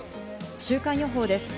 週間予報です。